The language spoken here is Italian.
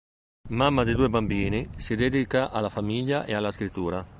Mamma di due bambini, si dedica alla famiglia e alla scrittura.